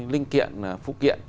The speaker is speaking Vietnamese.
linh kiện phụ kiện